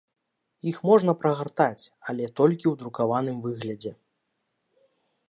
Іх можна прагартаць, але толькі ў друкаваным выглядзе.